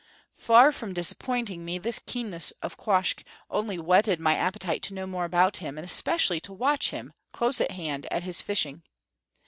Far from disappointing me, this keenness of Quoskh only whetted my appetite to know more about him, and especially to watch him, close at hand, at his fishing.